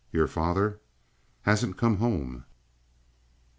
"Your father." "Hasn't come home."